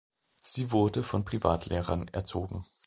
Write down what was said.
Sie wurde von Privatlehrern erzogen.